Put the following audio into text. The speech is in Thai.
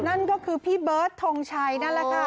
นั่นก็คือพี่เบิร์ดทงชัยนั่นแหละค่ะ